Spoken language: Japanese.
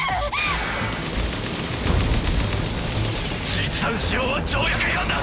実弾使用は条約違反だ！